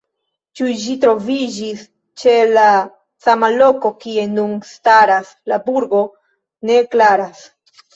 Ĉu ĝi troviĝis ĉe la sama loko kie nun staras la burgo ne klaras.